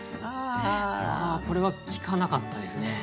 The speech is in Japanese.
これは効かなかったですね。